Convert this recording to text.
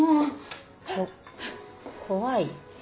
怖い？